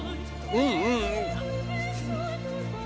うんうん！